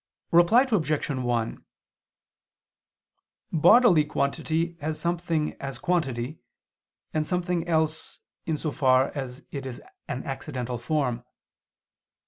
Reply Obj. 1: Bodily quantity has something as quantity, and something else, in so far as it is an accidental form.